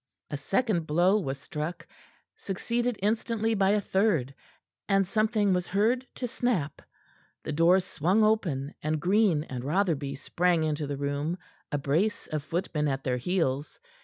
A second blow was struck, succeeded instantly by a third, and something was heard to snap. The door swung open, and Green and Rotherby sprang into the room, a brace of footmen at their heels.